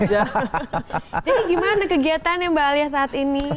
jadi gimana kegiatan mbak alia saat ini